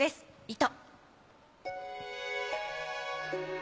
『糸』。